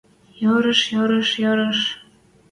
Йӧреш, йӧреш, йӧреш!..